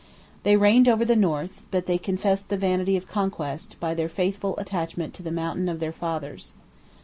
2513 They reigned over the north; but they confessed the vanity of conquest, by their faithful attachment to the mountain of their fathers.